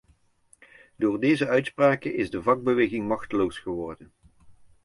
Door deze uitspraken is de vakbeweging machteloos geworden.